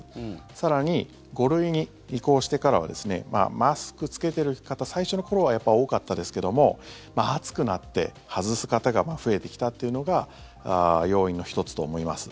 更に、５類に移行してからはマスク着けてる方最初の頃はやっぱり多かったですけども暑くなって外す方が増えてきたっていうのが要因の１つと思います。